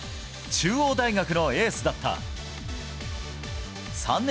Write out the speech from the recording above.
中央大学のエースだった。